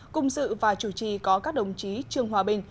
cùng dự và chủ trì có các đồng chí trương hòa bình